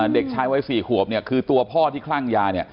เด็กชายไว้๔หัวคือตัวพ่อที่คลั่งยาเนี่ย